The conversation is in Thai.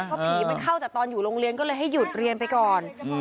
เพราะผีมันเข้าจากตอนอยู่โรงเรียนก็เลยให้หยุดเรียนไปก่อน